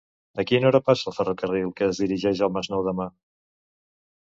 A quina hora passa el ferrocarril que es dirigeix al Masnou demà?